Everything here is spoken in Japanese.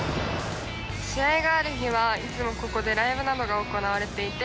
試合がある日はここでいつもライブなどが行われていて